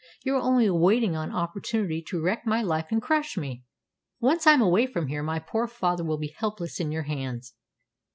You are only awaiting an opportunity to wreck my life and crush me! Once I am away from here, my poor father will be helpless in your hands!"